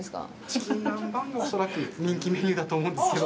チキン南蛮が、恐らく人気メニューだと思うんですけど。